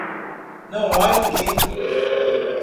Não há ninguém.